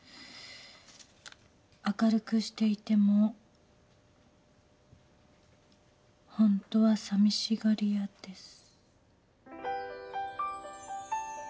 「明るくしていても本当は寂しがり屋です」